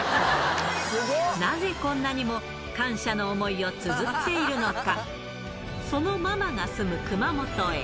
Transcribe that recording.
なぜこんなにも感謝の思いをつづっているのか。